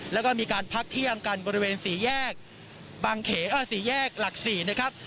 แล้วก็มีการพักเที่ยงกันบริเวณสี่แยกบางเขสี่แยกหลัก๔นะครับ